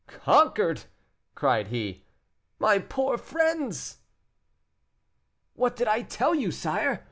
"Conquered," cried he; "my poor friends!" "What did I tell you, sire?"